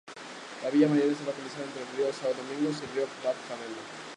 La Villa Mariana estaba localizada entre el Río São Domingos y el Río Bate-Panela.